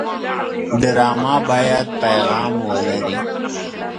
ډرامه باید پیغام ولري